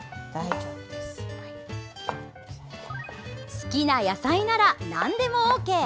好きな野菜ならなんでもＯＫ。